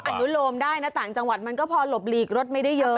อนุโลมได้นะต่างจังหวัดมันก็พอหลบหลีกรถไม่ได้เยอะ